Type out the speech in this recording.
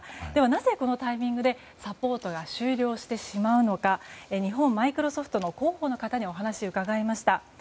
なぜこのタイミングでサポートが終了してしまうのか日本マイクロソフトの広報の方にお話を伺いました。